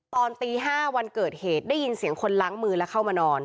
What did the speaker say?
ตอนตี๕วันเกิดเหตุได้ยินเสียงคนล้างมือแล้วเข้ามานอน